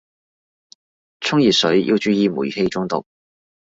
沖熱水要注意煤氣中毒